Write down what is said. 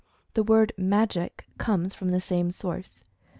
The word "Magic" comes from the same source.